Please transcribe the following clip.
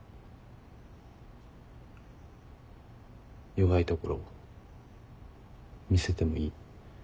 弱いところ見せてもいい。